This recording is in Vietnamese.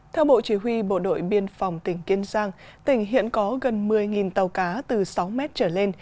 theo bộ chỉ huy bộ đội biên phòng tỉnh kiên giang tỉnh hiện có gần một mươi tàu cá từ sáu mét trở lên